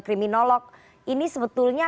kriminolog ini sebetulnya